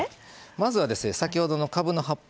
まずは先ほどのかぶの葉っぱ。